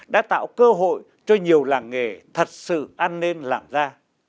đã tạo cơ hội cho nhiều làng nghề thật sự an ninh làm ra